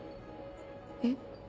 えっ？